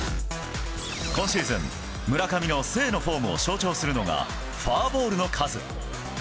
今シーズン、村上の静のフォームを象徴するのが、フォアボールの数。